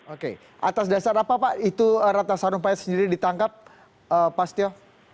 oke atas dasar apa pak itu ratna sarumpai sendiri ditangkap pastio